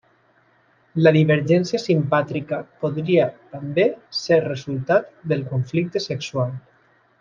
La divergència simpàtrica podria també ser resultat del conflicte sexual.